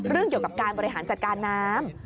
เรื่องเกี่ยวกับการบริหารจัดการน้ำ